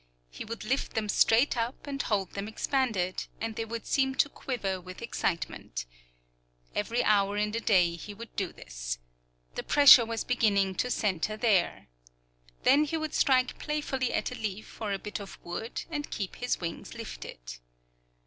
He would lift them straight up and hold them expanded, and they would seem to quiver with excitement. Every hour in the day he would do this. The pressure was beginning to centre there. Then he would strike playfully at a leaf or a bit of wood, and keep his wings lifted.